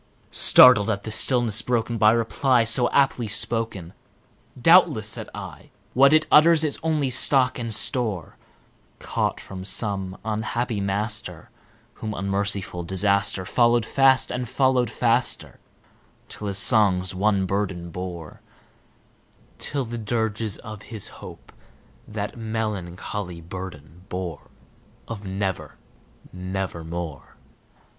Startled at the stillness broken by reply so aptly spoken, "Doubtless," said I, "what it utters is its only stock and store, Caught from some unhappy master whom unmerciful Disaster Followed fast and followed faster till his songs one burden bore Till the dirges of his Hope that melancholy burden bore Of 'Never nevermore.'"